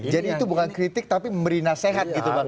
jadi itu bukan kritik tapi memberi nasihat gitu bang